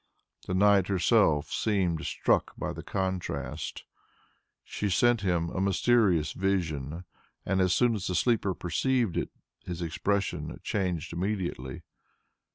The night herself seemed struck by the contrast. She sent him a mysterious vision, and as soon as the sleeper perceived it, his expression changed immediately.